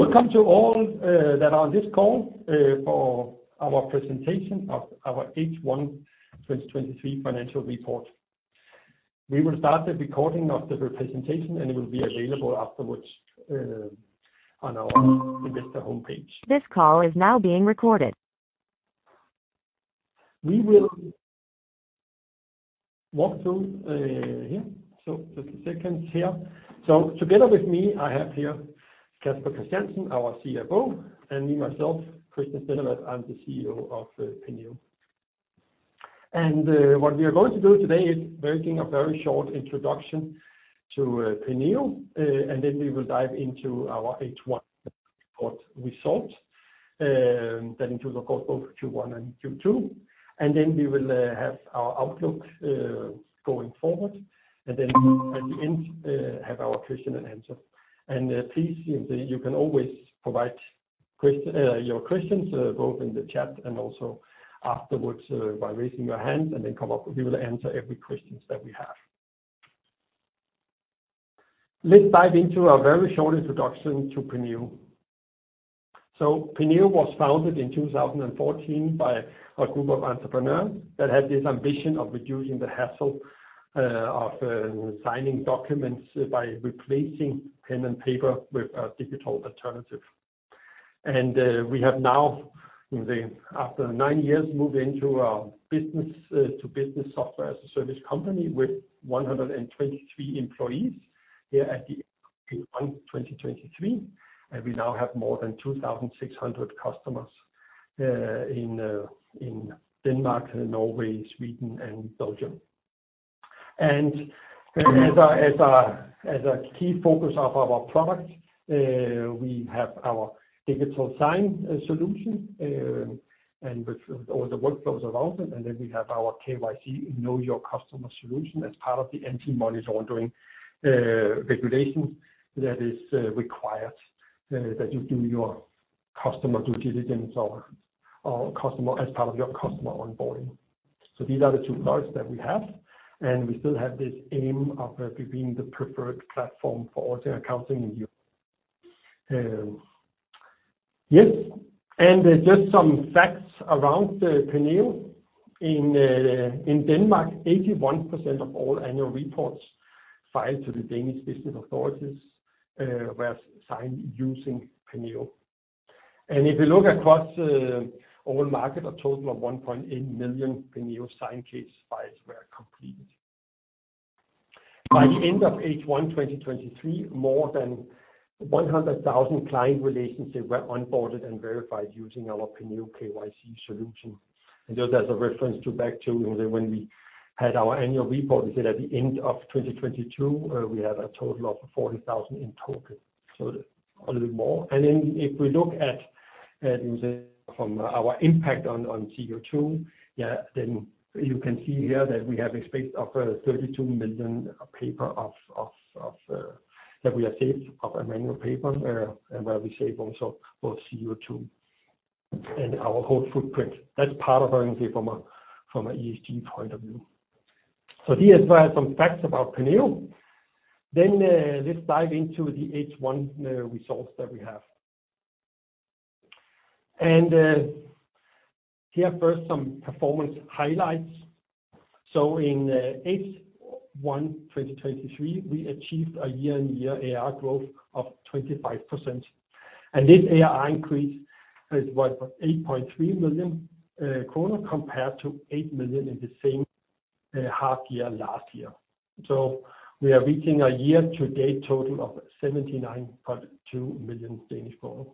Welcome to all that are on this call for our presentation of our H1 2023 financial report. We will start the recording of the presentation. It will be available afterwards on our investor homepage. We will walk through here. Just a second here. Together with me, I have here Casper Christiansen, our CFO, and its me, myself, Christian Stendevad, I'm the CEO of Penneo. What we are going to do today is making a very short introduction to Penneo, and then we will dive into our H1 report result, that includes, of course, both Q1 and Q2. Then we will have our outlook going forward. Then at the end, have our question and answer. Please, you can always provide your questions, both in the chat and also afterwards, by raising your hand, and then come up. We will answer every questions that we have. Let's dive into a very short introduction to Penneo. Penneo was founded in 2014 by a group of entrepreneurs that had this ambition of reducing the hassle of signing documents by replacing pen and paper with a digital alternative. We have now, after nine years, moved into a business-to-business Software as a Service company with 123 employees here at the end of 2023, and we now have more than 2,600 customers in Denmark, Norway, Sweden, and Belgium. As a key focus of our product, we have our digital sign solution and with all the workflows around it. We have our KYC, Know Your Customer solution, as part of the anti-money laundering regulation that is required that you do your customer due diligence or as part of your customer onboarding. These are the two products that we have, and we still have this aim of being the preferred platform for all accounting in Europe. Yes, just some facts around the Penneo. In Denmark, 81% of all annual reports filed to the Danish Business Authority were signed using Penneo. If you look across all market, a total of 1.8 million Penneo Sign case files were completed. By the end of H1 2023, more than 100,000 client relationships were onboarded and verified using our Penneo KYC solution. Just as a reference to back to when we had our annual report, we said at the end of 2022, we have a total of 40,000 in total, so a little bit more. If we look at from our impact on CO2, yeah, then you can see here that we have expected over 32 million paper of, of, of, that we have saved of a manual paper, and where we save also both CO2 and our whole footprint. That's part of our impact from an ESG point of view. These are some facts about Penneo. Let's dive into the H1 results that we have. Here, first, some performance highlights. In H1 2023, we achieved a year-on-year ARR growth of 25%. This ARR increase is what? 8.3 million kroner, compared to 8 million in the same half year last year. We are reaching a year-to-date total of 79.2 million Danish kroner.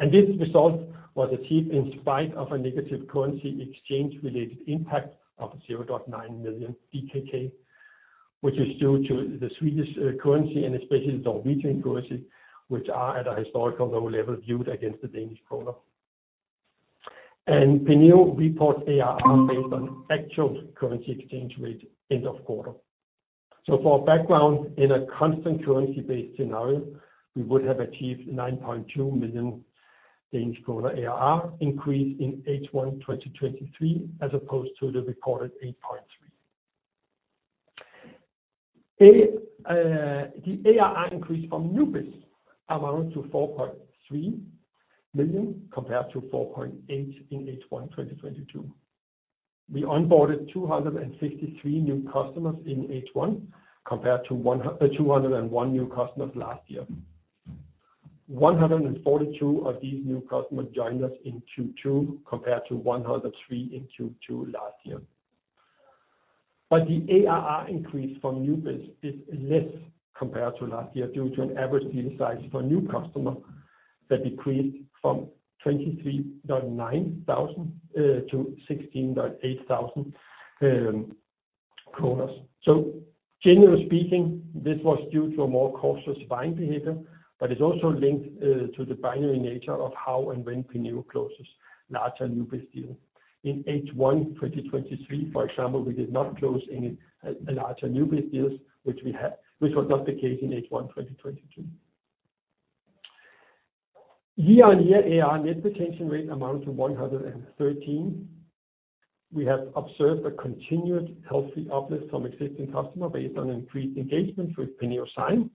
This result was achieved in spite of a negative currency exchange-related impact of 0.9 million DKK, which is due to the Swedish currency and especially the Norwegian currency, which are at a historical low level, viewed against the Danish kroner. Penneo reports ARR based on actual currency exchange rate, end of quarter. For background, in a constant currency-based scenario, we would have achieved 9.2 million Danish kroner ARR increase in H1 2023, as opposed to the recorded 8.3 million. The ARR increase from new biz amounts to 4.3 million, compared to 4.8 million in H1 2022. We onboarded 263 new customers in H1, compared to 201 new customers last year. 142 of these new customers joined us in Q2, compared to 103 in Q2 last year. The ARR increase from new biz is less compared to last year, due to an average deal size for a new customer that decreased from 23.9 thousand to 16.8 thousand kroner. Generally speaking, this was due to a more cautious buying behavior, but it's also linked to the binary nature of how and when Penneo closes larger new biz deals. In H1 2023, for example, we did not close any larger new biz deals, which was not the case in H1 2022. Year-on-year ARR net retention rate amounts to 113%. We have observed a continued healthy uplift from existing customer based on increased engagement with Penneo Sign,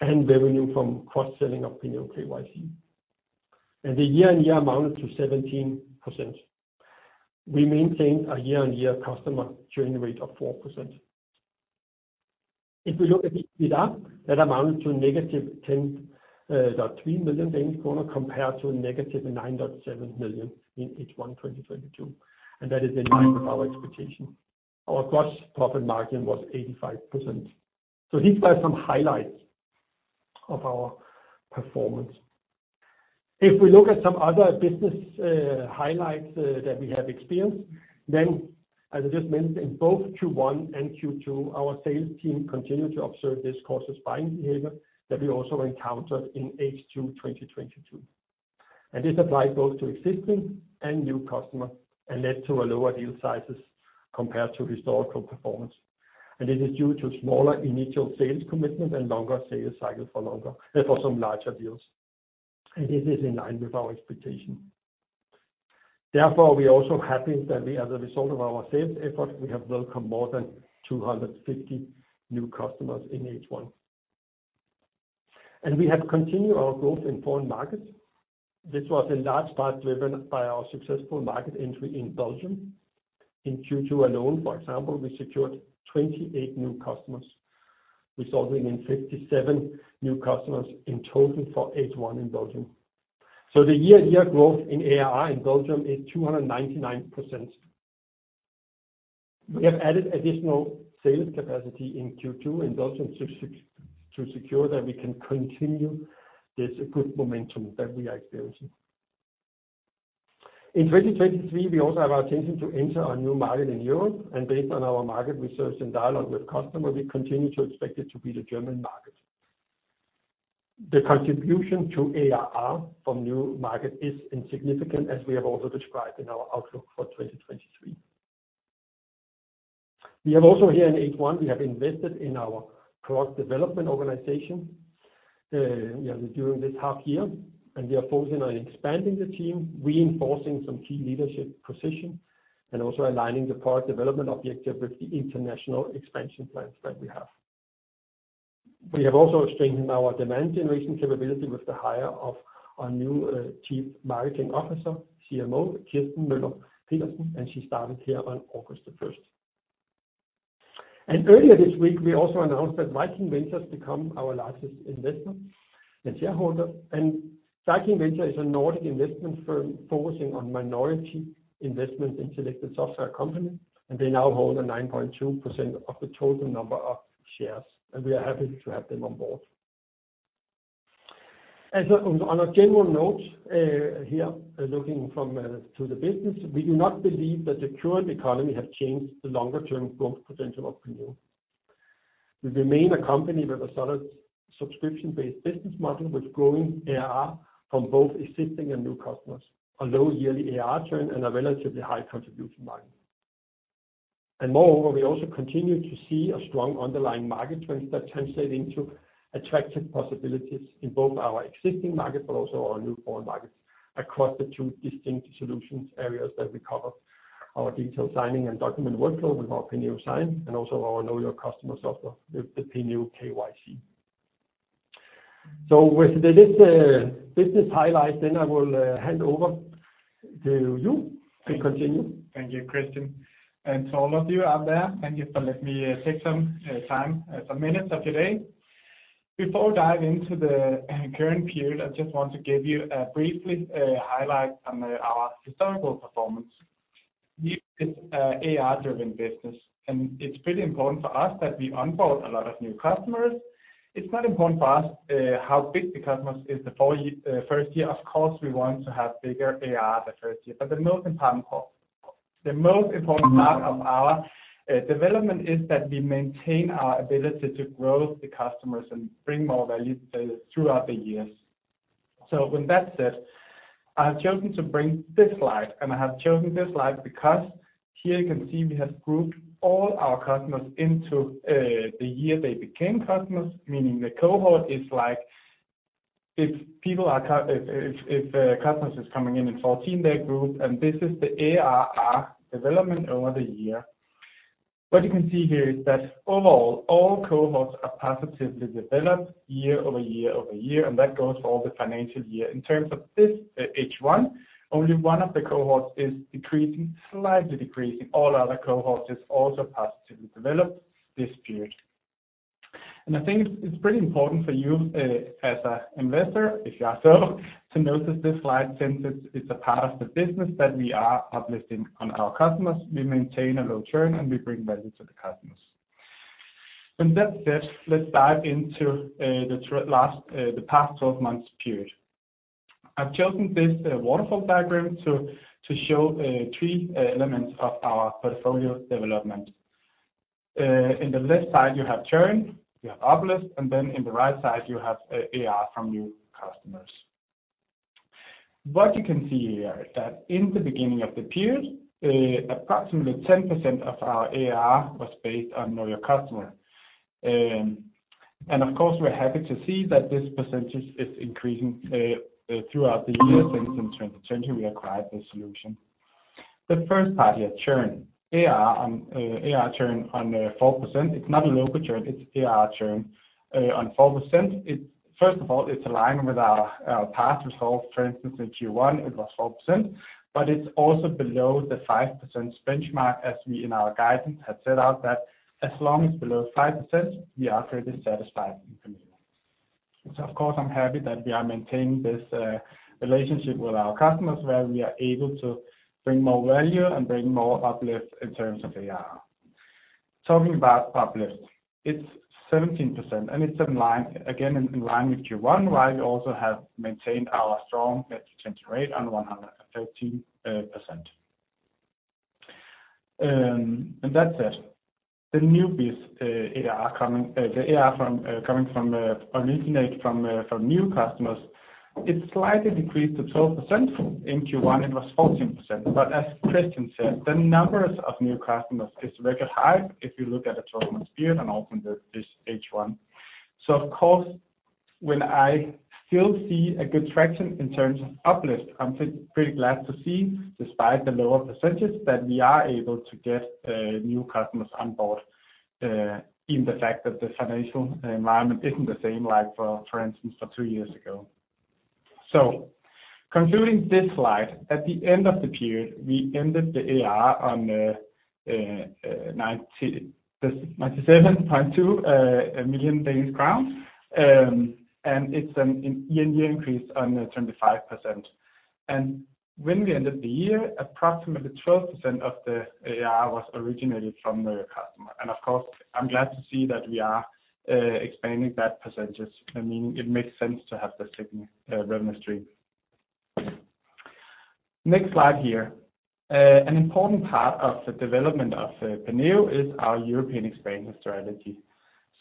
and revenue from cross-selling of Penneo KYC. The year-on-year amounted to 17%. We maintained a year-on-year customer churn rate of 4%. If we look at EBITDA, that amounted to negative 10.3 million Danish kroner, compared to a negative 9.7 million in H1 2022. That is in line with our expectation. Our gross profit margin was 85%. These are some highlights of our performance. If we look at some other business highlights that we have experienced, as I just mentioned, in both Q1 and Q2, our sales team continued to observe this cautious buying behavior that we also encountered in H2 2022. This applies both to existing and new customer, and led to a lower deal sizes compared to historical performance. This is due to smaller initial sales commitment and longer sales cycle for some larger deals, and this is in line with our expectation. Therefore, we are also happy that we, as a result of our sales effort, we have welcomed more than 250 new customers in H1. We have continued our growth in foreign markets. This was in large part driven by our successful market entry in Belgium. In Q2 alone, for example, we secured 28 new customers, resulting in 57 new customers in total for H1 in Belgium. The year-on-year growth in ARR in Belgium is 299%. We have added additional sales capacity in Q2 in Belgium to secure that we can continue this good momentum that we are experiencing. In 2023, we also have our intention to enter a new market in Europe, based on our market research and dialogue with customers, we continue to expect it to be the German market. The contribution to ARR from new market is insignificant, as we have also described in our outlook for 2023. We have also here in H1, we have invested in our product development organization, yeah, during this half year, we are focusing on expanding the team, reinforcing some key leadership positions, and also aligning the product development objective with the international expansion plans that we have. We have also strengthened our demand generation capability with the hire of a new Chief Marketing Officer, CMO, Kirstine Møller Pedersen, and she started here on August the first. Earlier this week, we also announced that Viking Venture become our largest investor and shareholder. Viking Venture is a Nordic investment firm focusing on minority investments in selected software company, and they now hold a 9.2% of the total number of shares, and we are happy to have them on board. As a general note, here, looking from to the business, we do not believe that the current economy has changed the longer-term growth potential of Penneo. We remain a company with a solid subscription-based business model, with growing ARR from both existing and new customers, a low yearly ARR churn, and a relatively high contribution margin. Moreover, we also continue to see a strong underlying market trends that translate into attractive possibilities in both our existing market, but also our new foreign markets, across the two distinct solutions areas that we cover, our digital signing and document workflow with our Penneo Sign, and also our Know Your Customer software, with the Penneo KYC. With this, business highlights, then I will hand over to you to continue. Thank you, Christian, and to all of you out there, thank you for letting me take some time, some minutes of your day. Before we dive into the current period, I just want to give you briefly highlight on our historical performance. We are an ARR-driven business. It's pretty important for us that we onboard a lot of new customers. It's not important for us how big the customers is the first year. Of course, we want to have bigger ARR the first year. The most important part, the most important part of our development is that we maintain our ability to grow the customers and bring more value to them throughout the years. With that said, I've chosen to bring this slide, and I have chosen this slide because here you can see we have grouped all our customers into the year they became customers, meaning the cohort is like, if people are if, if, if customers is coming in in 14, they're grouped, and this is the ARR development over the year. What you can see here is that overall, all cohorts are positively developed year, over year, over year, and that goes for all the financial year. In terms of this H1, only one of the cohorts is decreasing, slightly decreasing. All other cohorts is also positively developed this period. And I think it's, it's pretty important for you as a investor, if you are so, to notice this slide, since it's, it's a part of the business that we are uplifting on our customers. We maintain a low churn, and we bring value to the customers. When that's said, let's dive into the last 12 months period. I've chosen this waterfall diagram to show 3 elements of our portfolio development. In the left side, you have churn, you have uplift, and then in the right side, you have ARR from new customers. What you can see here is that in the beginning of the period, approximately 10% of our ARR was based on Know Your Customer. And of course, we're happy to see that this percentage is increasing throughout the years, and in 2020, we acquired this solution. The first part here, churn. ARR churn on 4%. It's not a local churn, it's ARR churn on 4%. First of all, it's aligned with our, our past results. For instance, in Q1, it was 4%, it's also below the 5% benchmark, as we in our guidance had set out that as long as below 5%, we are pretty satisfied in Penneo. Of course, I'm happy that we are maintaining this relationship with our customers, where we are able to bring more value and bring more uplift in terms of ARR. Talking about uplift, it's 17%, and it's in line, again, in line with Q1, while we also have maintained our strong net retention rate on 113%. That said, the new biz ARR coming, the ARR from, coming from, originate from, from new customers, it slightly decreased to 12%. In Q1, it was 14%. As Christian said, the numbers of new customers is very high if you look at the total months period and often this H1. Of course, when I still see a good traction in terms of uplift, I'm pretty glad to see, despite the lower percentages, that we are able to get new customers on board in the fact that the financial environment isn't the same like for instance, for 2 years ago. Concluding this slide, at the end of the period, we ended the ARR on 97.2 million Danish crowns, and it's a year-on-year increase on 25%. When we ended the year, approximately 12% of the ARR was originated from the customer. Of course, I'm glad to see that we are expanding that percentage. I mean, it makes sense to have the second revenue stream. Next slide here. An important part of the development of Penneo is our European expansion strategy.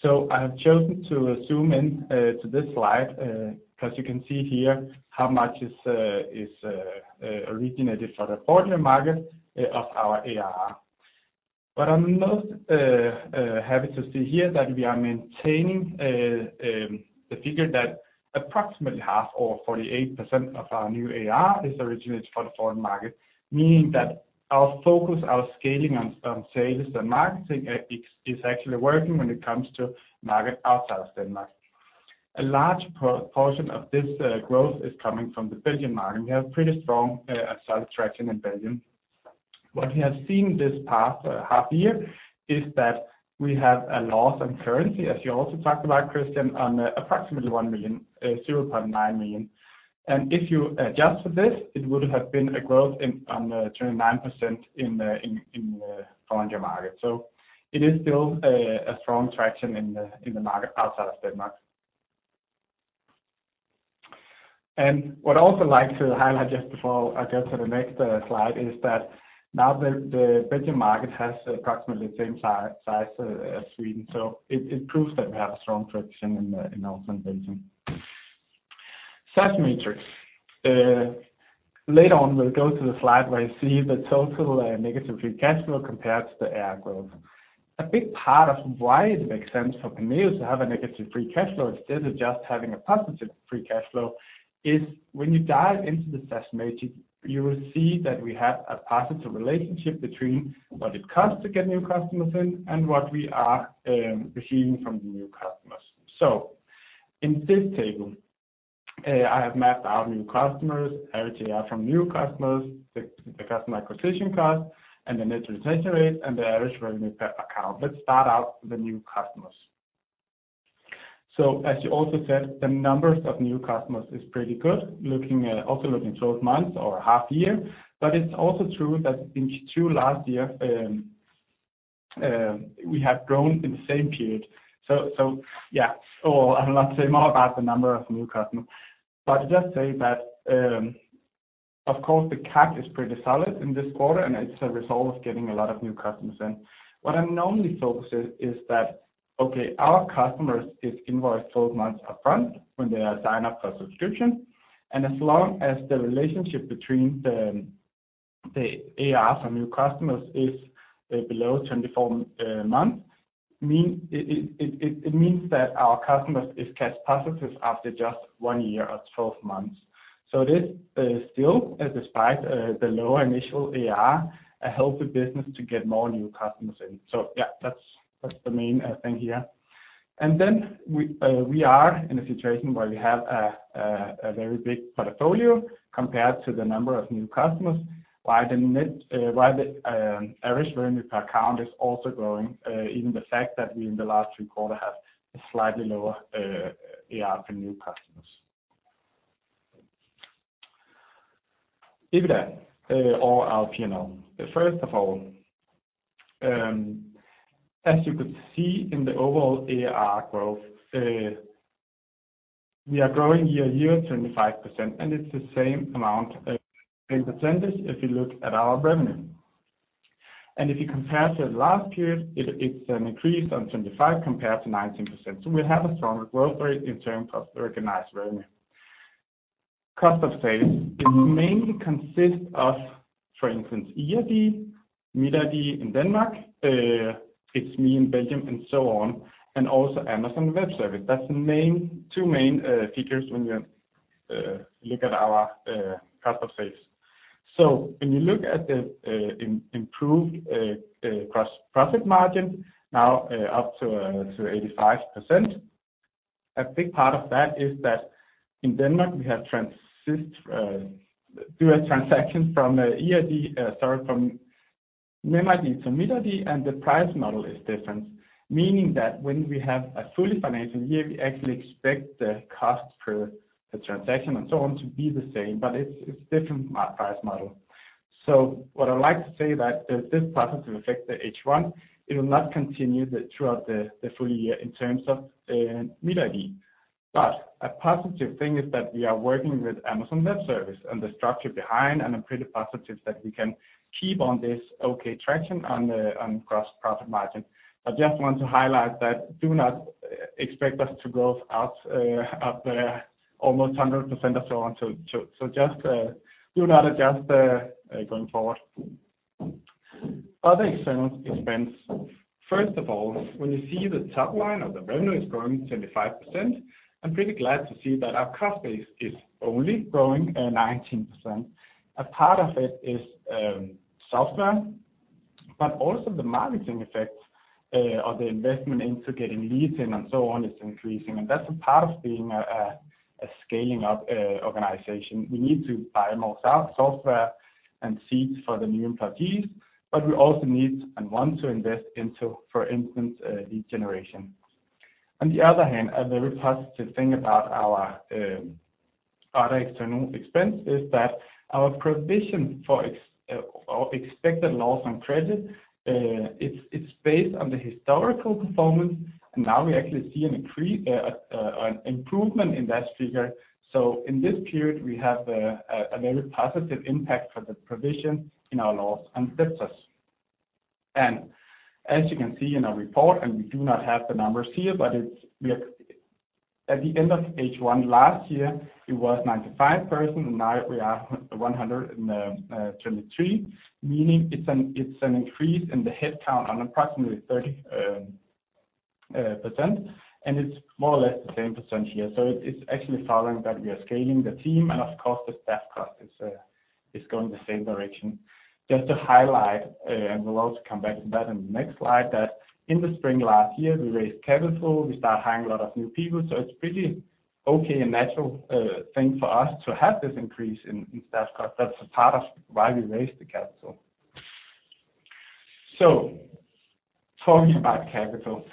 I have chosen to zoom in to this slide because you can see here how much is is originated from the foreign market of our ARR. I'm most happy to see here that we are maintaining the figure that approximately half or 48% of our new ARR is originated from the foreign market, meaning that our focus, our scaling on, on sales and marketing is actually working when it comes to market outside of Denmark. A large portion of this growth is coming from the Belgian market. We have pretty strong solid traction in Belgium. What we have seen this past half year is that we have a loss on currency, as you also talked about, Christian, on approximately 1 million, 0.9 million. If you adjust for this, it would have been a growth in 29% in the foreign market. It is still a strong traction in the market outside of Denmark. What I'd also like to highlight just before I get to the next slide, is that now the Belgian market has approximately the same size as Sweden, it proves that we have a strong traction in Belgium. SaaS metrics. Later on, we'll go to the slide where you see the total negative free cash flow compared to the ARR growth. A big part of why it makes sense for Penneo to have a negative free cash flow, instead of just having a positive free cash flow, is when you dive into the SaaS metric, you will see that we have a positive relationship between what it costs to get new customers in and what we are receiving from the new customers. In this table, I have mapped out new customers, ARR from new customers, the customer acquisition cost, and the net retention rate, and the average revenue per account. Let's start out with the new customers. As you also said, the numbers of new customers is pretty good, looking at, also looking twelve months or half year. It's also true that in Q2 last year, we have grown in the same period. I will not say more about the number of new customers, but just say that, of course, the CAC is pretty solid in this quarter, and it's a result of getting a lot of new customers in. What I normally focus is, is that, okay, our customers is invoiced 12 months upfront when they sign up for a subscription, and as long as the relationship between the, the ARR from new customers is below 24 months, it means that our customers is cash positive after just 1 year or 12 months. This still, despite the lower initial ARR, helps the business to get more new customers in. That's, that's the main thing here. Then we are in a situation where we have a very big portfolio compared to the number of new customers, while the net, while the average revenue per account is also growing, even the fact that we in the last three quarter have a slightly lower ARR for new customers. EBITDA or our P&L. First of all, as you could see in the overall ARR growth, we are growing year-on-year, 25%, and it's the same amount in percentage if you look at our revenue. If you compare to the last period, it's an increase on 25% compared to 19%. We have a stronger growth rate in terms of recognized revenue. Cost of sales is mainly consist of, for instance, MitID, MitID in Denmark, it's itsme in Belgium and so on, and also Amazon Web Services. That's the main, two main features when you look at our cost of sales. When you look at the improved gross profit margin, now up to 85%, a big part of that is that in Denmark, we have transist do a transaction from MitID, sorry, from NemID to MitID, and the price model is different. Meaning that when we have a fully financing year, we actually expect the cost per the transaction and so on to be the same, but it's, it's different price model. What I'd like to say that this positive effect, the H1, it will not continue throughout the full year in terms of MitID. A positive thing is that we are working with Amazon Web Services and the structure behind, and I'm pretty positive that we can keep on this okay traction on the gross profit margin. I just want to highlight that do not expect us to grow out up almost 100% or so on. Do not adjust going forward. Other external expense, first of all, when you see the top line of the revenue is growing 25%, I'm pretty glad to see that our cost base is only growing 19%. A part of it is software, but also the marketing effect of the investment into getting leads in and so on, is increasing. That's a part of being a scaling up organization. We need to buy more software and seats for the new employees, but we also need and want to invest into, for instance, lead generation. On the other hand, a very positive thing about our other external expense is that our provision for our expected loss on credit, it's based on the historical performance, and now we actually see an increase, an improvement in that figure. In this period, we have a very positive impact for the provision in our loss and debts. As you can see in our report, and we do not have the numbers here, but it's. At the end of H1 last year, it was 95 persons, and now we are 123, meaning it's an increase in the headcount on approximately 30%, and it's more or less the same % here. It's actually following that we are scaling the team, and of course, the staff cost is going the same direction. Just to highlight, and we'll also come back to that in the next slide, that in the spring last year, we raised capital. We start hiring a lot of new people, so it's pretty okay and natural thing for us to have this increase in staff cost. That's a part of why we raised the capital. Talking about capital,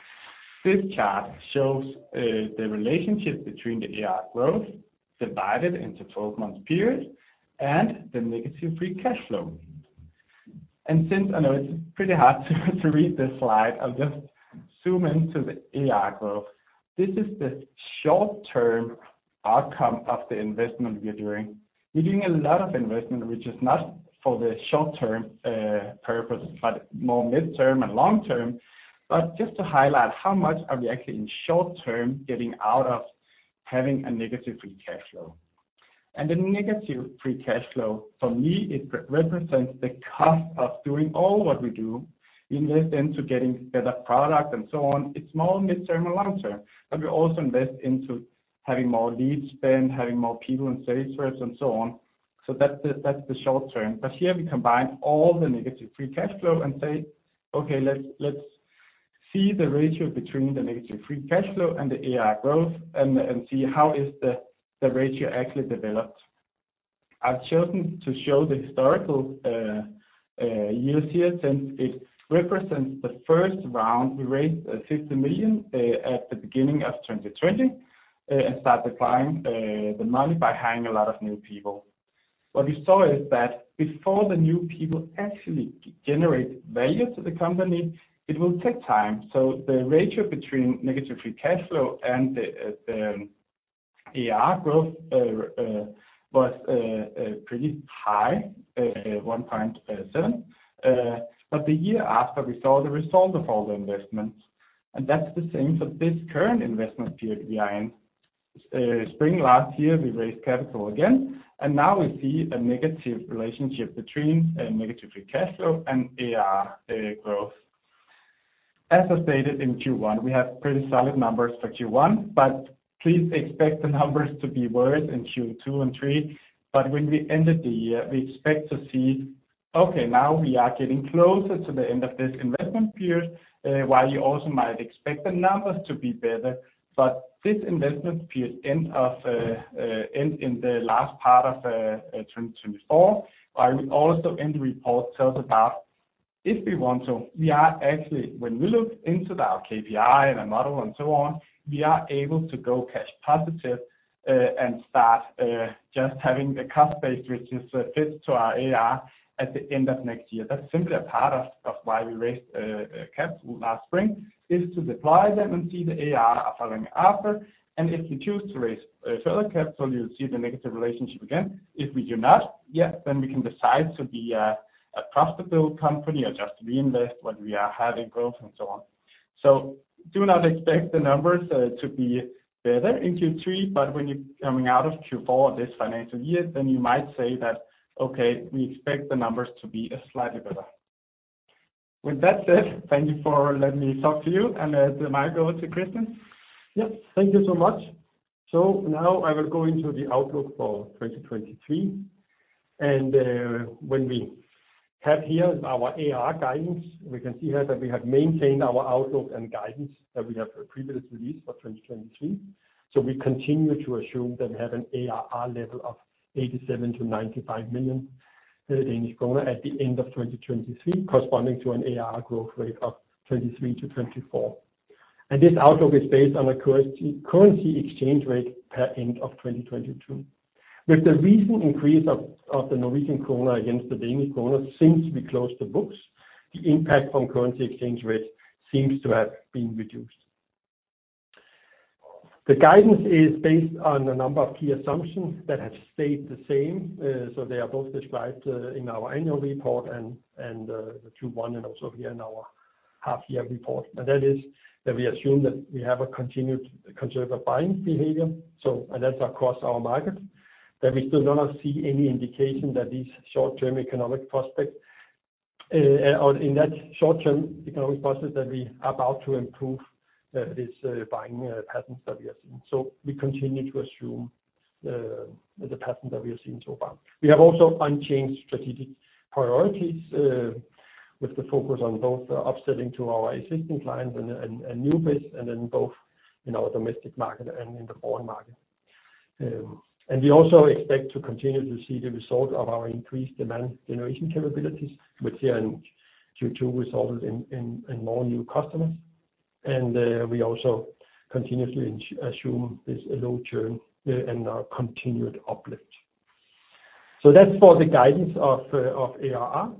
this chart shows the relationship between the AR growth divided into 12-month period and the negative free cash flow. Since I know it's pretty hard to, to read this slide, I'll just zoom into the AR growth. This is the short-term outcome of the investment we are doing. We're doing a lot of investment, which is not for the short-term purpose, but more mid-term and long-term. Just to highlight, how much are we actually in short-term getting out of having a negative free cash flow? The negative free cash flow, for itsme, it represents the cost of doing all what we do. We invest into getting better product and so on. It's more mid-term and long-term, but we also invest into having more lead spend, having more people in sales force and so on. That's the, that's the short term. Here we combine all the negative free cash flow and say, "Okay, let's, let's see the ratio between the negative free cash flow and the ARR growth, and see how is the ratio actually developed. I've chosen to show the historical years here, since it represents the first round. We raised 50 million at the beginning of 2020 and start applying the money by hiring a lot of new people. What we saw is that before the new people actually generate value to the company, it will take time. The ratio between negative free cash flow and the ARR growth was pretty high, 1.7. The year after, we saw the result of all the investments, and that's the same for this current investment period we are in. Spring last year, we raised capital again, and now we see a negative relationship between, negative free cash flow and ARR growth. As I stated in Q1, we have pretty solid numbers for Q1, please expect the numbers to be worse in Q2 and 3. When we end the year, we expect to see, okay, now we are getting closer to the end of this investment period, while you also might expect the numbers to be better. This investment period end of, end in the last part of, 2024, but we also in the report tells about if we want to, we are actually, when we look into our KPI and our model and so on, we are able to go cash positive, and start just having the cost base, which is fit to our AR at the end of next year. That's simply a part of, of why we raised, capital last spring, is to deploy them and see the AR are following after. If we choose to raise, further capital, you'll see the negative relationship again. If we do not, yeah, then we can decide to be a, a profitable company or just reinvest when we are having growth and so on. Do not expect the numbers to be better in Q3, but when you're coming out of Q4 this financial year, then you might say that, "Okay, we expect the numbers to be slightly better." With that said, thank you for letting itsme talk to you, and the mic over to Christian. Yes, thank you so much. Now I will go into the outlook for 2023, and when we have here our ARR guidance, we can see here that we have maintained our outlook and guidance that we have previously released for 2023. We continue to assume that we have an ARR level of 87 million-95 million Danish kroner at the end of 2023, corresponding to an ARR growth rate of 23%-24%. This outlook is based on a currency exchange rate per end of 2022. With the recent increase of the Norwegian kroner against the Danish kroner since we closed the books, the impact from currency exchange rate seems to have been reduced. The guidance is based on a number of key assumptions that have stayed the same, so they are both described in our annual report and, and, the Q1, and also here in our half year report. That is that we assume that we have a continued conservative buying behavior, so, and that's across our markets, that we still do not see any indication that these short-term economic prospects, or in that short-term economic process, that we are about to improve, this, buying, patterns that we have seen. We continue to assume, the pattern that we have seen so far. We have also unchanged strategic priorities, with the focus on both the upselling to our existing clients and, and, and new base, and then both in our domestic market and in the foreign market. We also expect to continue to see the result of our increased demand generation capabilities, which here in Q2, resulted in more new customers. We also continuously assume this low churn and our continued uplift. That's for the guidance of ARR.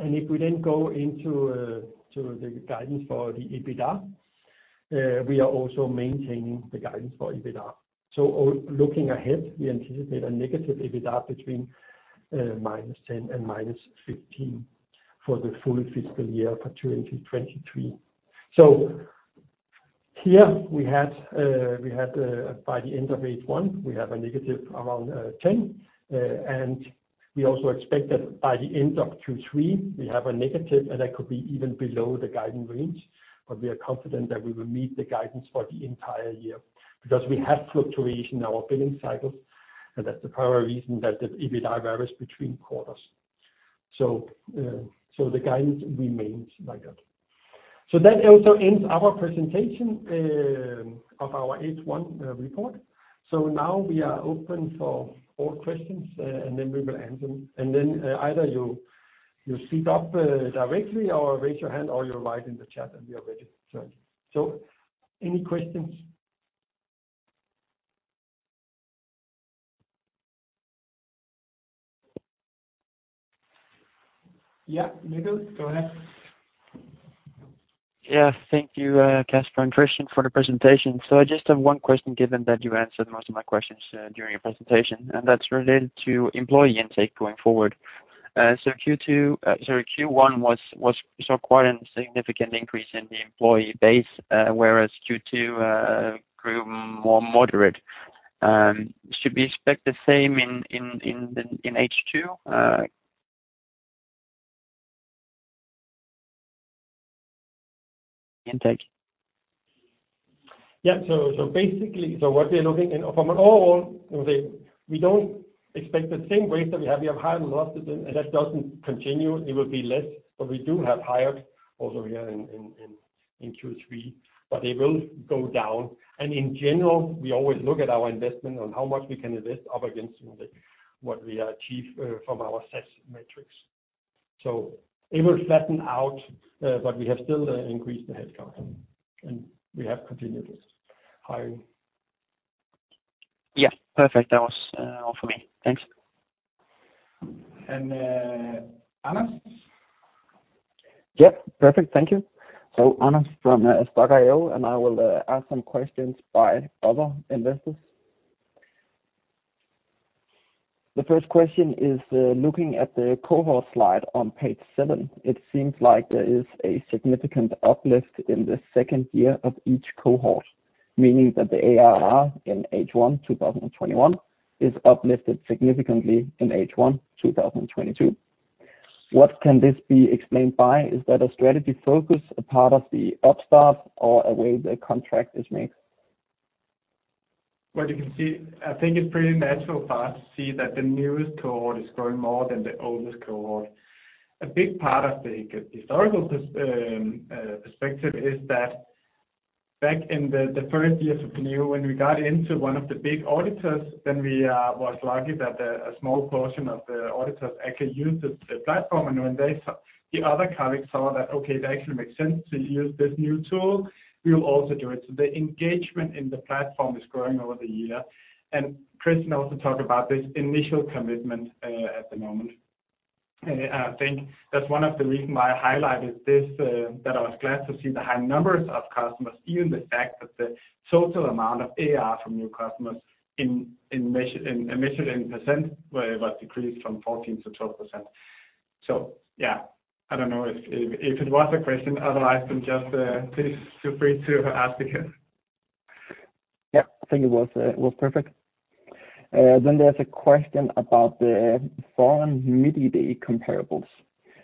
If we then go into the guidance for the EBITDA, we are also maintaining the guidance for EBITDA. Looking ahead, we anticipate a negative EBITDA between -10 and -15 for the full fiscal year for 2023. Here we had, we had, by the end of H1, we have a negative around ten, and we also expect that by the end of Q3, we have a negative, and that could be even below the guidance range. We are confident that we will meet the guidance for the entire year, because we have fluctuation in our billing cycles, and that's the primary reason that the EBITDA varies between quarters. The guidance remains like that. That also ends our presentation of our H1 report. Now we are open for all questions, and then we will answer them. Then, either you, you speak up directly, or raise your hand, or you write in the chat, and we are ready to turn. Any questions? Yeah, Nicholas, go ahead. Yeah. Thank you, Casper and Christian, for the presentation. I just have one question, given that you answered most of my questions during your presentation, and that's related to employee intake going forward. Q2 sorry, Q1 saw quite a significant increase in the employee base, whereas Q2 grew more moderate. Should we expect the same in the H2 intake? Yeah. Basically, what we are looking in from an overall, let's say, we don't expect the same rates that we have. We have hired a lot, that doesn't continue. It will be less, but we do have hired also here in Q3, but it will go down, and in general, we always look at our investment on how much we can invest up against what we achieve from our sales metrics. It will flatten out, but we have still increased the headcount, and we have continued this hiring. Yeah. Perfect. That was all for me. Thanks. Anas? Yeah, perfect. Thank you. Anas from Stokk.io, and I will ask some questions by other investors. The first question is: Looking at the cohort slide on page seven, it seems like there is a significant uplift in the second year of each cohort, meaning that the ARR in H1 2021 is uplifted significantly in H1 2022. What can this be explained by? Is that a strategy focus, a part of the upstaff, or a way the contract is made? Well, you can see, I think it's pretty natural for us to see that the newest cohort is growing more than the oldest cohort. A big part of the historical perspective is that back in the first years of Penneo, when we got into one of the big auditors, then we was lucky that a small portion of the auditors actually used the platform. When the other colleagues saw that, "Okay, that actually makes sense to use this new tool, we will also do it." The engagement in the platform is growing over the year, and Christian also talked about this initial commitment at the moment. I think that's one of the reason why I highlighted this, that I was glad to see the high numbers of customers, even the fact that the total amount of ARR from new customers in itsme, measured in %, where it was decreased from 14% to 12%. Yeah, I don't know if, if, if it was a question otherwise, then just, please feel free to ask again. Yep, I think it was, it was perfect. Then there's a question about the foreign MitID comparables.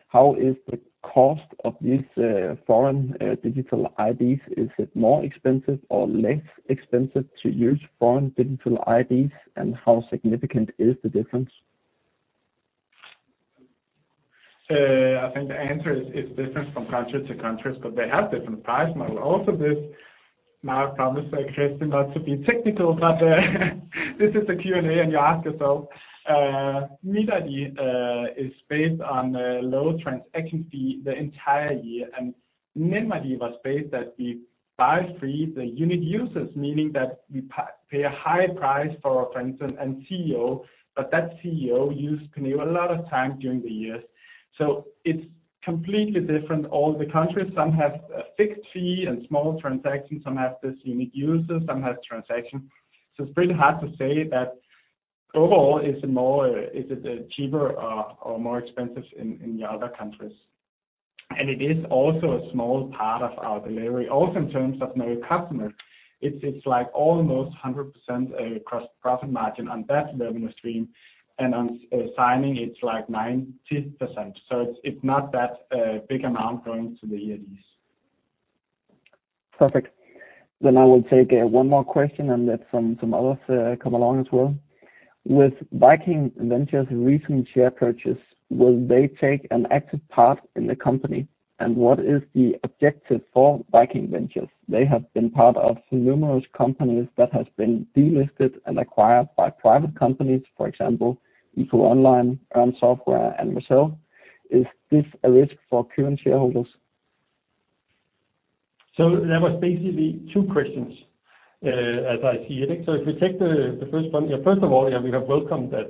How is the cost of this, foreign, digital IDs? Is it more expensive or less expensive to use foreign digital IDs, and how significant is the difference? I think the answer is, is different from country to countries, but they have different price model. Also, this my promise, like, Christian, not to be technical, but, this is a Q&A, and you ask yourself, MitID is based on a low transaction fee the entire year, and NemID was based that we buy free the unique users, meaning that we pay a high price for our friends and CEO, but that CEO use can give a lot of time during the year. It's completely different. All the countries, some have a fixed fee and small transactions, some have this unique users, some have transactions. It's pretty hard to say that overall is more, is it cheaper or, or more expensive in, in the other countries. It is also a small part of our delivery, also in terms of new customer. It's, it's like almost 100% gross profit margin on that revenue stream, and on signing, it's like 90%. It's, it's not that, big amount going to the eIDs. Perfect. I will take, one more question and let some, some others, come along as well. With Viking Venture' recent share purchase, will they take an active part in the company, and what is the objective for Viking Venture? They have been part of numerous companies that has been delisted and acquired by private companies, for example, EcoOnline, Ørn Software and Mercell. Is this a risk for current shareholders? There was basically two questions as I see it. If we take the first one. First of all, we have welcomed that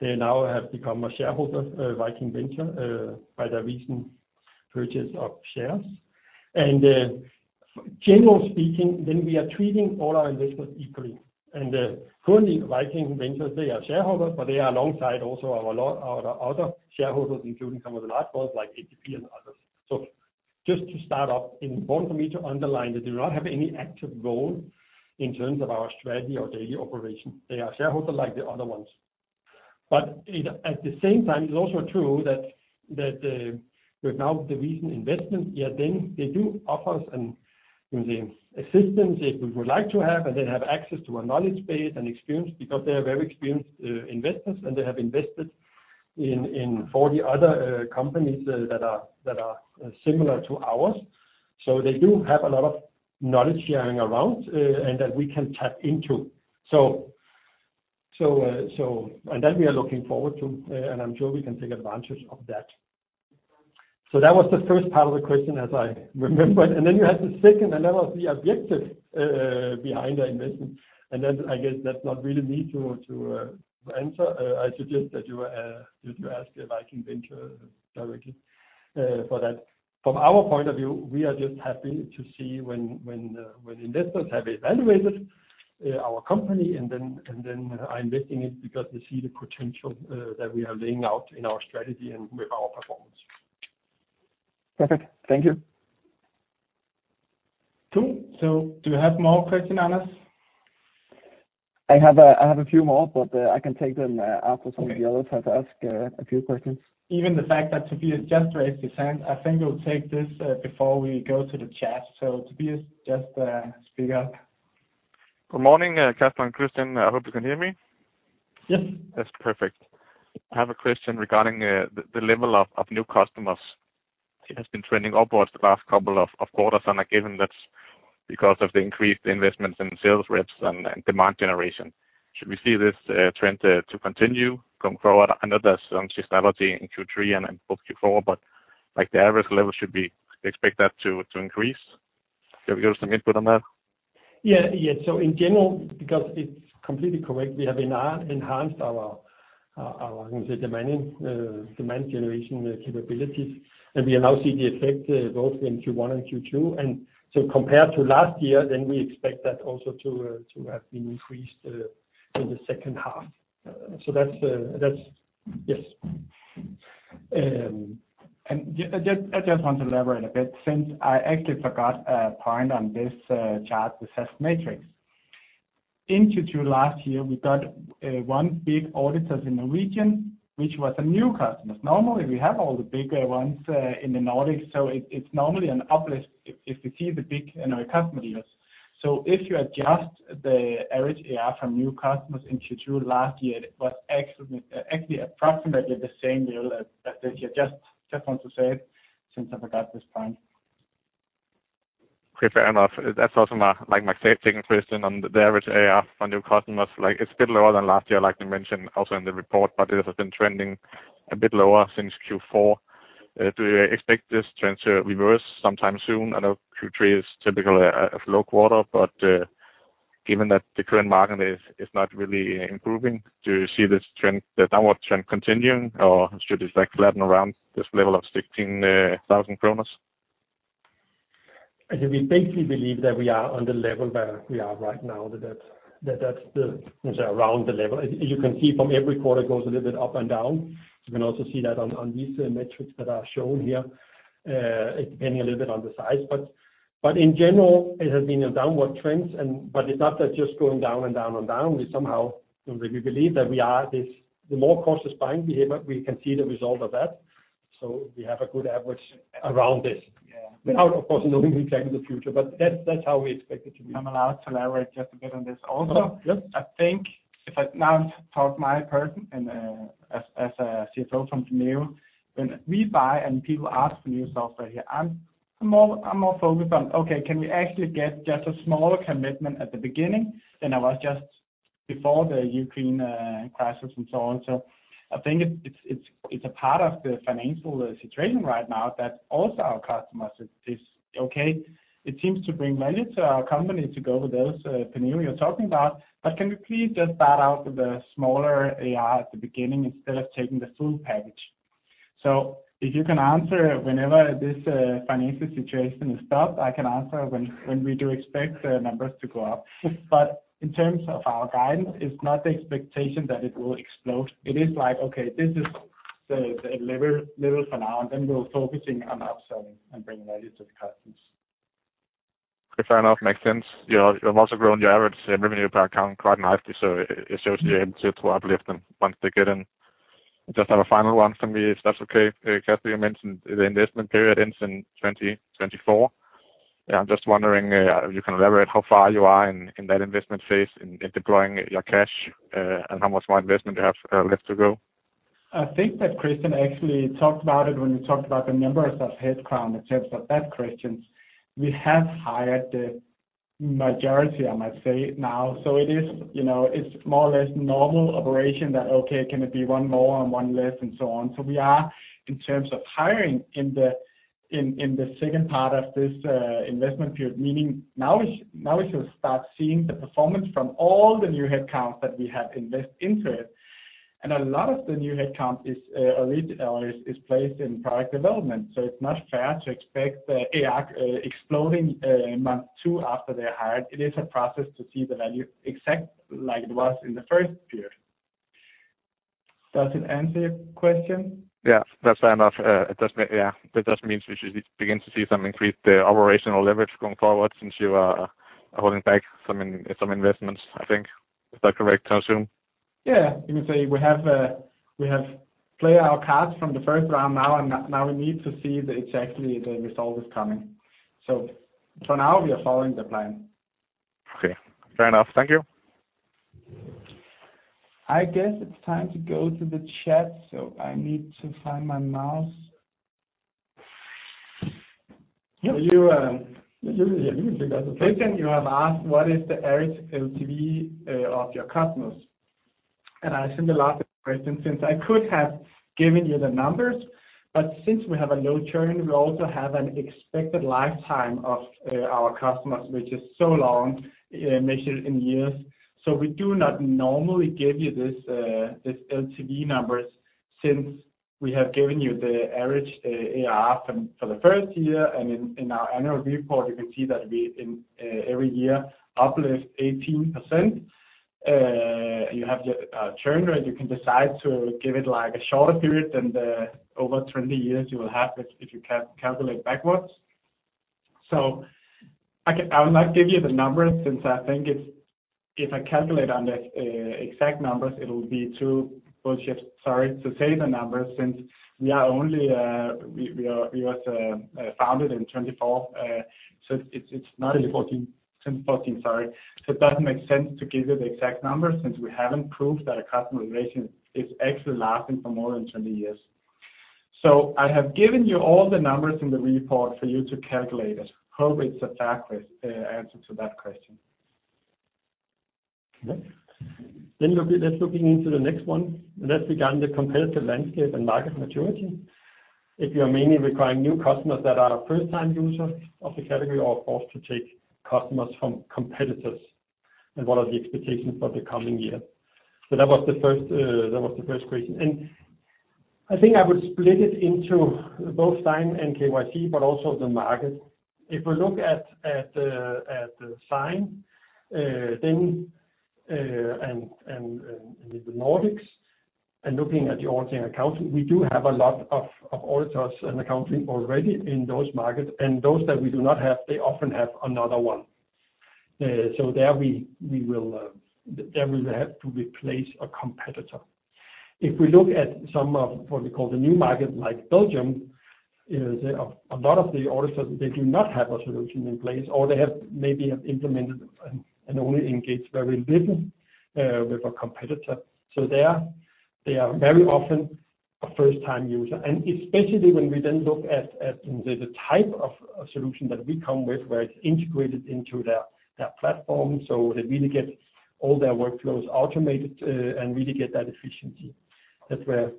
they now have become a shareholder, Viking Venture, by their recent purchase of shares. General speaking, then we are treating all our investors equally. Currently, Viking Venture, they are shareholders, but they are alongside also our other shareholders, including some of the large ones like ATP and others. Just to start off, it's important for Penneo to underline that they do not have any active role in terms of our strategy or daily operation. They are shareholders like the other ones. It-- at the same time, it's also true that, that, with now the recent investment, yeah, then they do offer us an, you know, assistance if we would like to have, and they have access to a knowledge base and experience because they are very experienced investors, and they have invested in 40 other companies that are, that are similar to ours. They do have a lot of knowledge sharing around, and that we can tap into. That we are looking forward to, and I'm sure we can take advantage of that. That was the first part of the question, as I remember it. Then you had the second, and that was the objective behind the investment. Then, I guess, that's not really itsme to, to answer. I suggest that you, you to ask a Viking Venture directly for that. From our point of view, we are just happy to see when, when, when investors have evaluated our company, and then, and then are investing it, because they see the potential that we are laying out in our strategy and with our performance. Perfect. Thank you. Cool. Do you have more question, Anas? I have a few more, but, I can take them, after some of the others have asked, a few questions. Even the fact that Tobias just raised his hand, I think we'll take this, before we go to the chat. Tobias, just, speak up. Good morning, Casper and Christian. I hope you can hear me? Yes. That's perfect. I have a question regarding the level of new customers. It has been trending upwards the last couple of quarters, and again, that's because of the increased investments in sales reps and demand generation. Should we see this trend to continue going forward? I know there's some seasonality in Q3 and in Q4, but, like, the average level should we expect that to increase? Can you give us some input on that? Yeah. Yeah. In general, because it's completely correct, we have enhanced our, our demand generation capabilities, and we now see the effect both in Q1 and Q2. Compared to last year, then we expect that also to have been increased in the second half. That's, that's... Yes. I just, I just want to elaborate a bit, since I actually forgot a point on this chart, the assess matrix. In Q2 last year, we got one big auditors in the region, which was a new customer. Normally, we have all the bigger ones in the Nordics, so it- it's normally an uplift if, if we see the big, you know, customer deals. If you adjust the average AR from new customers in Q2 last year, it was actually, actually approximately the same deal as, as this year. Just, just want to say it, since I forgot this point. Fair enough. That's also my, like, my second question on the average AR for new customers. Like, it's a bit lower than last year, like you mentioned also in the report, but it has been trending a bit lower since Q4. Do you expect this trend to reverse sometime soon? I know Q3 is typically a low quarter, but given that the current market is not really improving, do you see this trend, the downward trend continuing, or should it, like, flatten around this level of 16,000 kroner? I think we basically believe that we are on the level where we are right now, that, that's the, around the level. As you can see from every quarter, it goes a little bit up and down. You can also see that on, on these metrics that are shown here, depending a little bit on the size. But in general, it has been a downward trend and, but it's not that just going down, and down, and down. We somehow, we believe that we are this, the more cautious buying behavior, we can see the result of that, so we have a good average around this. Yeah. Without, of course, knowing exactly the future, but that's, that's how we expect it to be. I'm allowed to elaborate just a bit on this also? Yes. I think if I now talk my person and as a CFO from Penneo, when we buy and people ask for new software here, I'm more, I'm more focused on, okay, can we actually get just a smaller commitment at the beginning than I was just before the Ukraine crisis and so on? I think it's a part of the financial situation right now that also our customers is, okay, it seems to bring value to our company to go with this Penneo you're talking about, but can we please just start out with the smaller AI at the beginning instead of taking the full package? If you can answer whenever this financial situation is stopped, I can answer when we do expect the numbers to go up. In terms of our guidance, it's not the expectation that it will explode. It is like, okay, this is the level for now, and then we're focusing on upselling and bringing value to the customers. Fair enough. Makes sense. You know, you've also grown your average revenue per account quite nicely, so it shows you're able to uplift them once they get in. Just have a final one from itsme, if that's okay. Kasper, you mentioned the investment period ends in 2024. I'm just wondering if you can elaborate how far you are in, in that investment phase, in, in deploying your cash, and how much more investment you have left to go? I think that Christian actually talked about it when you talked about the numbers of headcount, in terms of that question. We have hired the majority, I might say now. It is, you know, it's more or less normal operation that, okay, can it be one more and one less, and so on. We are, in terms of hiring, in the, in, in the second part of this investment period, meaning now we now we should start seeing the performance from all the new headcounts that we have invest into it. A lot of the new headcount is is placed in product development, so it's not fair to expect the AI exploding month two after they're hired. It is a process to see the value, exact like it was in the first period. Does it answer your question? Yeah, that's fair enough. Yeah, that just means we should begin to see some increased operational leverage going forward since you are holding back some investments, I think. Is that correct to assume? Yeah, you can say we have, we have played our cards from the first round now, and now, now we need to see that exactly the result is coming. For now, we are following the plan. Okay, fair enough. Thank you. I guess it's time to go to the chat, so I need to find my mouse. Yep. You, um- You can do that. Christian, you have asked, What is the average LTV of your customers? I think the last question, since I could have given you the numbers, but since we have a low churn, we also have an expected lifetime of our customers, which is so long, measured in years. We do not normally give you this LTV numbers since we have given you the average ARR from for the first year, and in our annual report, you can see that we every year uplift 18%. You have the churn, right? You can decide to give it, like, a shorter period than the over 20 years you will have if you calculate backwards. I will not give you the numbers since I think it's if I calculate on the exact numbers, it will be too bullshit, sorry to say the numbers, since we are only, we, we are, we was founded in 2024. so it's, it's not. Fourteen. Since 14, sorry. It doesn't make sense to give you the exact numbers, since we haven't proved that our customer relation is actually lasting for more than 20 years. I have given you all the numbers in the report for you to calculate it. Hope it's a fair answer to that question. Yes. Look, let's looking into the next one. Let's begin the competitive landscape and market maturity. If you are mainly acquiring new customers that are first-time users of the category, or forced to take customers from competitors, and what are the expectations for the coming year? That was the first, that was the first question. I think I would split it into both time and KYC, but also the market. If we look at, at, at the sign, then, and, and, and the Nordics, and looking at the auditing accounting, we do have a lot of, of auditors and accounting already in those markets, and those that we do not have, they often have another one. There we, we will, there we will have to replace a competitor. If we look at some of what we call the new market, like Belgium, is a, a lot of the auditors, they do not have a solution in place, or they have maybe have implemented and, and only engaged very little, with a competitor. They are, they are very often a first-time user, and especially when we then look at, at the type of solution that we come with, where it's integrated into their, their platform, so they really get all their workflows automated, and really get that efficiency. That's where,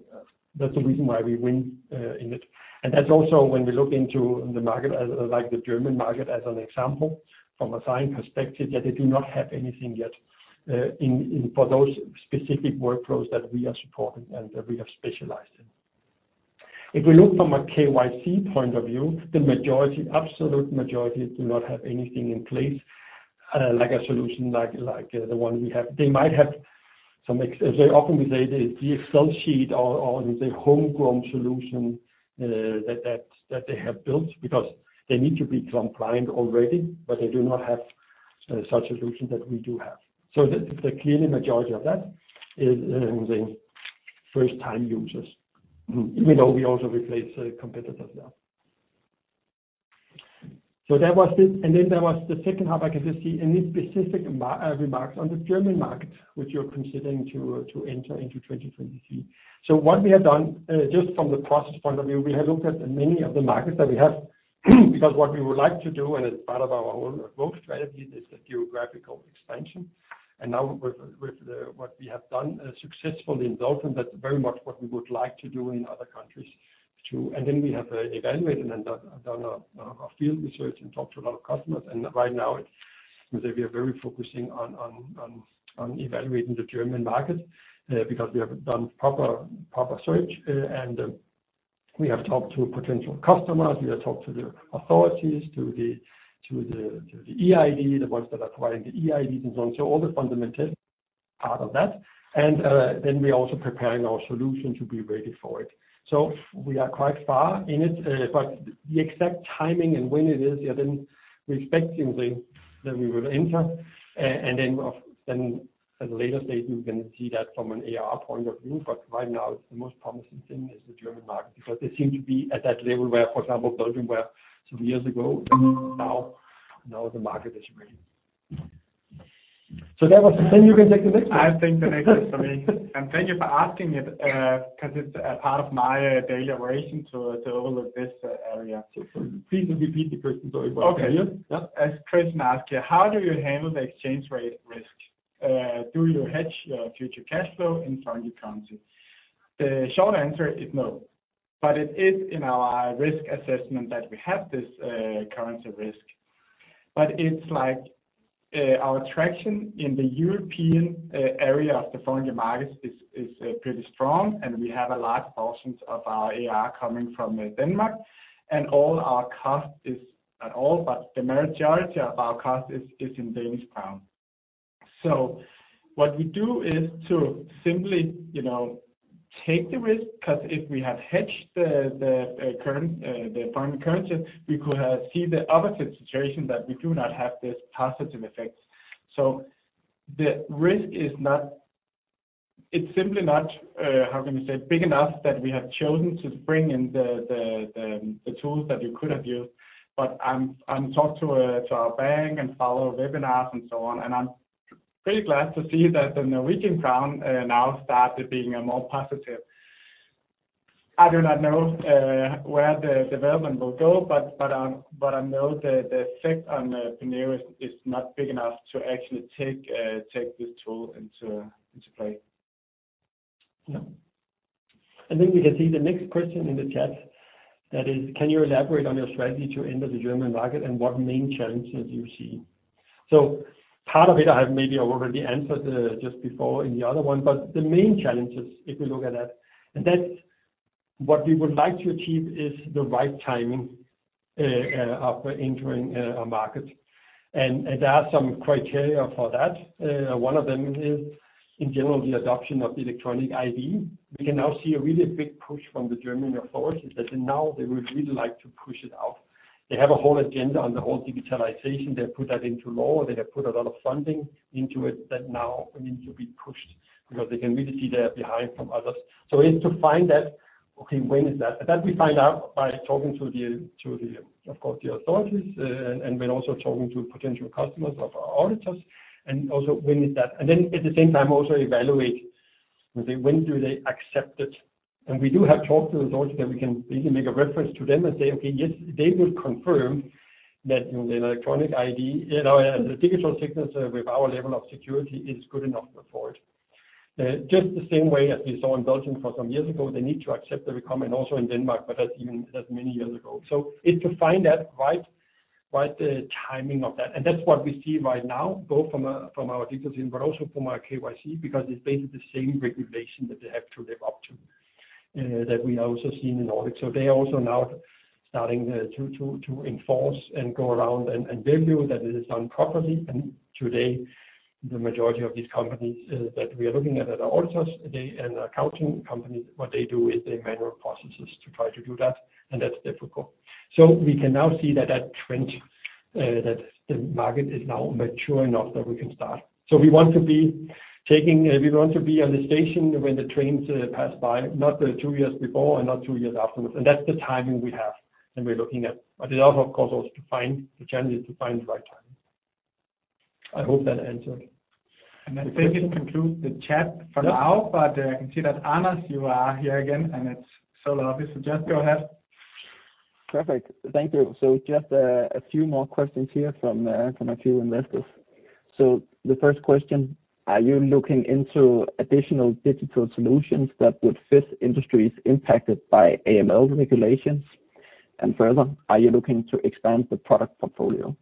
that's the reason why we win, in it. That's also when we look into the market, as like the German market as an example, from a sign perspective, yeah, they do not have anything yet, in for those specific workflows that we are supporting and that we have specialized in. If we look from a KYC point of view, the majority, absolute majority, do not have anything in place, like a solution like, like the one we have. They might have some as they often we say, the, the Excel sheet or, or the homegrown solution, that, that, that they have built because they need to be compliant already, but they do not have such a solution that we do have. The clearly majority of that is the first time users, even though we also replace the competitors now. That was it, and then there was the second half, I can just see any specific remarks on the German market, which you're considering to, to enter into 2023. What we have done, just from the process point of view, we have looked at many of the markets that we have, because what we would like to do, and as part of our own growth strategy, is the geographical expansion. Now with, with the, what we have done, successfully in Belgium, that's very much what we would like to do in other countries, too. Then we have, evaluated and done, done a, a field research and talked to a lot of customers, and right now we are very focusing on evaluating the German market, because we have done proper, proper search, and we have talked to potential customers, we have talked to the authorities, to the eID, the ones that are providing the eID and so on. All the fundamental part of that, and, then we're also preparing our solution to be ready for it. We are quite far in it, but the exact timing and when it is, yeah, then respectively, then we will enter. At a later stage, we can see that from an AR point of view, but right now, the most promising thing is the German market, because they seem to be at that level where, for example, Belgium were some years ago, now the market is ready. That was it. You can take the next one. I think the next is me. Thank you for asking it, because it's a part of my daily operation to, to overlook this area. Please repeat the question so everyone can hear. Okay. Yeah. As Christian asked you, "How do you handle the exchange rate risk? Do you hedge your future cash flow in foreign currency?" The short answer is no, it is in our risk assessment that we have this currency risk. It's like, our traction in the European area of the foreign markets is, is pretty strong, and we have a large portions of our AR coming from Denmark, and all our cost is at all, but the majority of our cost is, is in Danish krone. What we do is to simply, you know, take the risk, because if we have hedged the, the current, the foreign currencies, we could have seen the opposite situation, that we do not have this positive effects. The risk is not-- It's simply not, how can we say, big enough, that we have chosen to bring in the tools that we could have used. I'm, I've talked to our bank and follow webinars and so on, and I'm pretty glad to see that the Norwegian krone now started being more positive. I do not know where the development will go, but, but I know the effect on Penneo is not big enough to actually take this tool into, into play. Yeah. Then we can see the next question in the chat. That is: "Can you elaborate on your strategy to enter the German market and what main challenges you see?" Part of it I maybe already answered just before in the other one, but the main challenges, if we look at that, and that's what we would like to achieve, is the right timing of entering a market. There are some criteria for that. One of them is, in general, the adoption of the electronic ID. We can now see a really big push from the German authorities, that now they would really like to push it out. They have a whole agenda on the whole digitalization. They put that into law, they have put a lot of funding into it, that now it needs to be pushed because they can really see they are behind from others. Is to find that, okay, when is that? That we find out by talking to the, to the, of course, the authorities, and when also talking to potential customers of our auditors, and also when is that? Then at the same time, also evaluate when do they accept it. We do have talk to the authorities, that we can easily make a reference to them and say, "Okay, yes, they will confirm that, you know, the electronic ID, you know, the digital signature with our level of security is good enough for it." Just the same way as we saw in Belgium for some years ago, they need to accept the requirement also in Denmark, but that's even. That's many years ago. Is to find that right, right, timing of that. That's what we see right now, both from a, from our digital team, but also from our KYC, because it's basically the same regulation that they have to live up to, that we are also seeing in Nordic. They are also now starting to, to, to enforce and go around and, and verify that it is done properly. Today, the majority of these companies, that we are looking at, at our auditors, they, and accounting companies, what they do is they manual processes to try to do that, and that's difficult. We can now see that, that trend, that the market is now mature enough that we can start. We want to be on the station when the trains pass by, not two years before and not two years afterwards, and that's the timing we have, and we're looking at. It also, of course, also to find the challenge, is to find the right timing. I hope that answered. I think it concludes the chat for now. Yeah. I can see that, Anas, you are here again, and it's so lovely. Just go ahead. Perfect. Thank you. Just a few more questions here from a few investors. The first question: "Are you looking into additional digital solutions that would fit industries impacted by AML regulations? Further, are you looking to expand the product portfolio?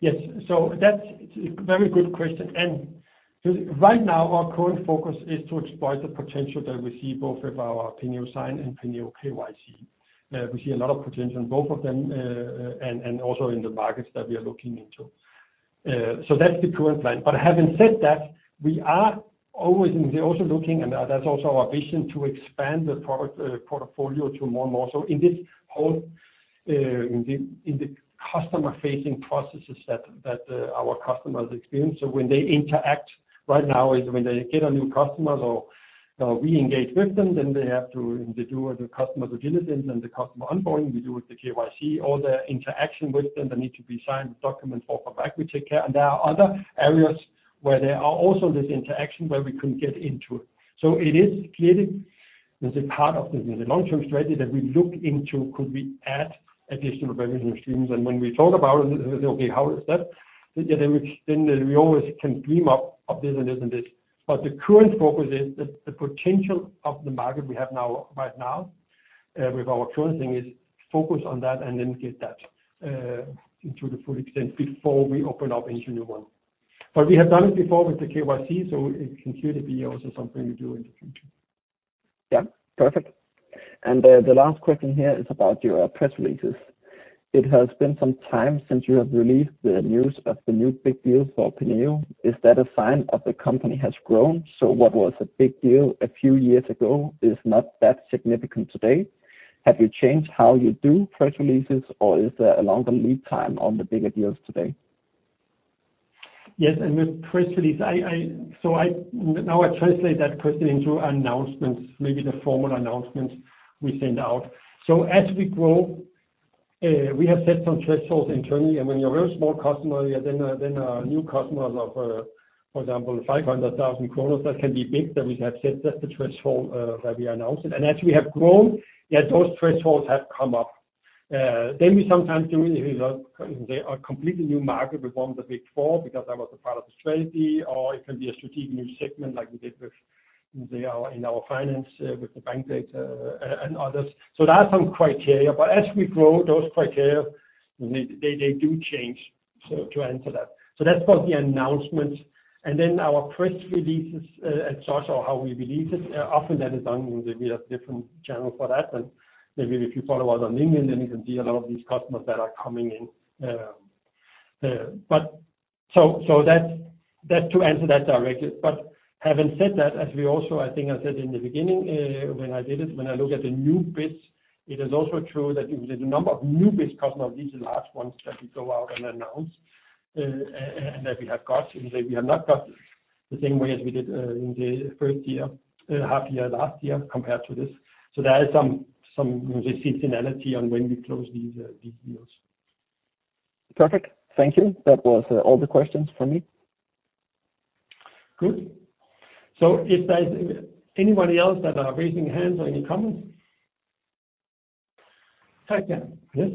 Yes, so that's a very good question. Right now our current focus is to exploit the potential that we see both with our Penneo Sign and Penneo KYC. We see a lot of potential in both of them, and also in the markets that we are looking into. That's the current plan. Having said that, we are always and we're also looking, and that's also our vision, to expand the product portfolio to more and more. In this whole, in the customer-facing processes that, that, our customers experience. When they interact right now is when they get a new customer or, or we engage with them, then they have to, they do the customer diligence and the customer onboarding. We do with the KYC, all the interaction with them, they need to be signed, the documents forth and back, we take care. There are other areas where there are also this interaction where we could get into it. It is clearly, it's a part of the, the long-term strategy that we look into could we add additional revenue streams? When we talk about, okay, how is that? We always can dream up of this and this and this, but the current focus is the, the potential of the market we have now, right now, with our current thing, is focus on that and then get that into the full extent before we open up into new one. We have done it before with the KYC, so it can clearly be also something we do in the future. Yeah, perfect. The last question here is about your press releases. It has been some time since you have released the news of the new big deal for Penneo. Is that a sign of the company has grown? What was a big deal a few years ago is not that significant today. Have you changed how you do press releases, or is there a longer lead time on the bigger deals today? Yes, with press release, now I translate that question into announcements, maybe the formal announcements we send out. As we grow, we have set some thresholds internally, when you're a very small customer, then a new customer of, for example, 500,000 kroner, that can be big, that we have set that the threshold, that we announced it. As we have grown, yet those thresholds have come up. Then we sometimes do, they are completely new market. We won the Big Four because that was a part of the strategy. It can be a strategic new segment, like we did with the, in our finance, with the bank data and, and others. That's some criteria, but as we grow those criteria, they do change, to answer that. That's for the announcements and then our press releases, and so on, how we release it. Often that is done in the, we have different channels for that. Maybe if you follow us on LinkedIn, then you can see a lot of these customers that are coming in. That's, that's to answer that directly. Having said that, as we also, I think I said in the beginning, when I did it, when I look at the new bids, it is also true that the number of new bids, customers, these are large ones that we go out and announce, and that we have got. We have not got the same way as we did, in the first year, half year, last year compared to this. There is some, some seasonality on when we close these, these deals. Perfect. Thank you. That was all the questions from itsme. Good. If there's anybody else that are raising hands or any comments? Christian, yes.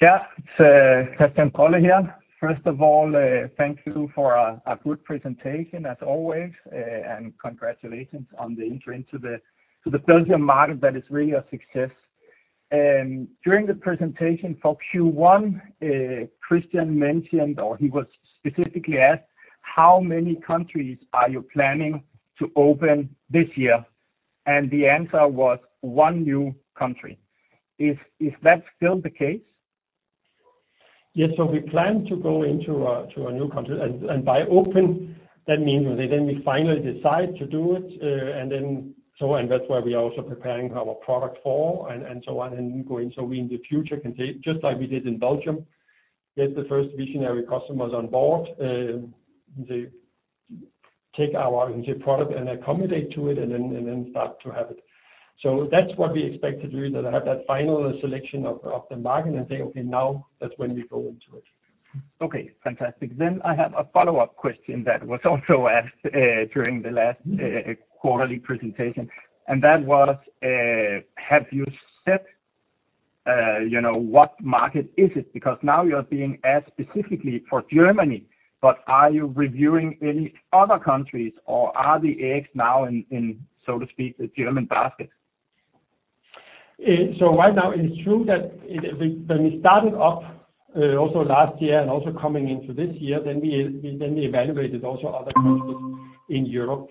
Yeah, it's Christian Koller here. First of all, thank you for a good presentation, as always, and congratulations on the entry into the Belgium market. That is really a success. During the presentation for Q1, Christian mentioned, or he was specifically asked, "How many countries are you planning to open this year?" The answer was one new country. Is that still the case? Yes. We plan to go into a, to a new country. By open, that means then we finally decide to do it, and that's why we are also preparing our product for and, and so on, and going so we in the future can take, just like we did in Belgium, get the first visionary customers on board, they take our product and accommodate to it and then, and then start to have it. That's what we expect to do, that I have that final selection of, of the market and say, "Okay, now that's when we go into it. Okay, fantastic. I have a follow-up question that was also asked, during the last, quarterly presentation. That was: Have you set, you know, what market is it? Now you're being asked specifically for Germany, but are you reviewing any other countries or are the eggs now in, in, so to speak, the German basket? Right now it is true that when we started up, also last year and also coming into this year, then we then evaluated also other countries in Europe.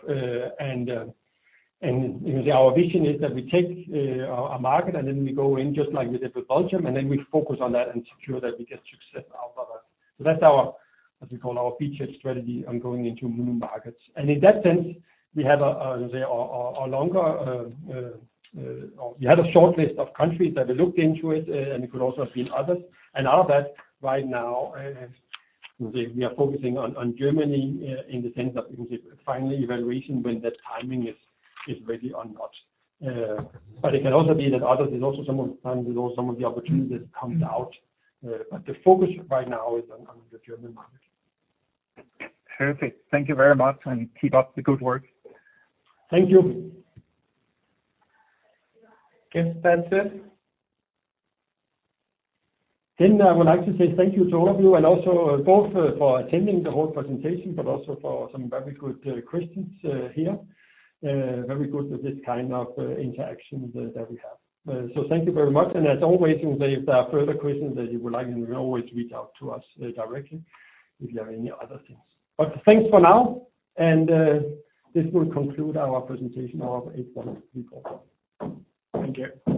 And our vision is that we take a market and then we go in, just like we did with Belgium, and then we focus on that and secure that we get success out of that. So that's our, as we call, our featured strategy on going into new markets. And in that sense, we have a longer, we had a short list of countries that we looked into it, and it could also have been others. And out of that, right now, we are focusing on Germany, in the sense of finally evaluation when the timing is ready or not. But it can also be that others, there's also some of the times, some of the opportunities comes out. But the focus right now is on, on the German market. Perfect. Thank you very much, and keep up the good work. Thank you. Okay, that's it. I would like to say thank you to all of you, and also both for attending the whole presentation, but also for some very good questions here. Very good with this kind of interaction that, that we have. Thank you very much. As always, if there are further questions that you would like, you can always reach out to us directly if you have any other things. Thanks for now, and this will conclude our presentation of H1 report. Thank you.